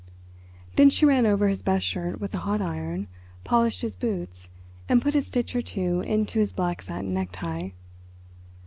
Then she ran over his best shirt with a hot iron, polished his boots, and put a stitch or two into his black satin necktie.